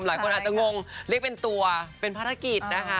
หลายคนอาจจะงงเรียกเป็นตัวเป็นภารกิจนะคะ